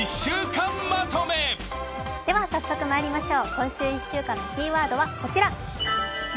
今週１週間のキーワードは「実」